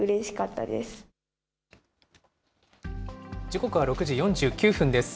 時刻は６時４９分です。